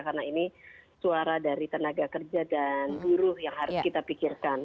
karena ini suara dari tenaga kerja dan buruh yang harus kita pikirkan